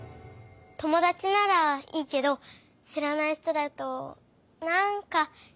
ともだちならいいけどしらない人だとなんかいやかも。